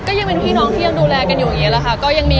ยังเป็นพี่น้องที่ยังดูแลกันอยู่อย่างนี้แหละค่ะ